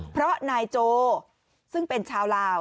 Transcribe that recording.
เพราะนายโจซึ่งเป็นชาวลาว